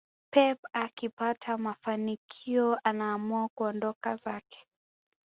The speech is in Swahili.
pep akipata mafanikio anaamua kuondoka zake